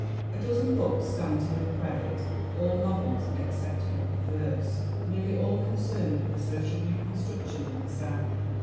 A dozen books stand to her credit, all novels except a book of verse, nearly all concerned with the social reconstruction in the South.